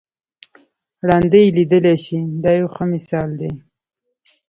ړانده یې لیدلای شي دا یو ښه مثال دی.